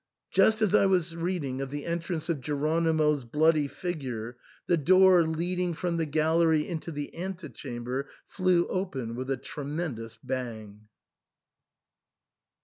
Just as I was reading of the entrance of Jeronimo's bloody figure,* the door leading from the gallery into the antechamber flew open with a tremendous bang.